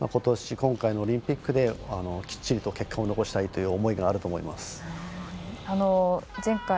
今回のオリンピックできっちりと結果を残したいという思いがあります。